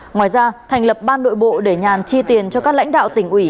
ngoài ra thành lập ban nội bộ để nhàn chi tiền cho các lãnh đạo tỉnh ủy